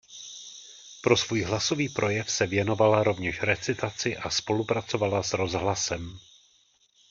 Pro svůj hlasový projev se věnovala rovněž recitaci a spolupracovala s rozhlasem.